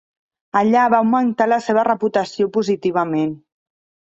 Allà va augmentar la seva reputació positivament.